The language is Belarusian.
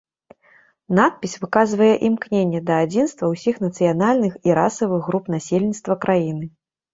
Надпіс выказвае імкненне да адзінства ўсіх нацыянальных і расавых груп насельніцтва краіны.